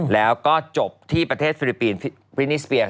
แล้วก็จบที่ประเทศฟิลิปปินส์ฟินิสเปีย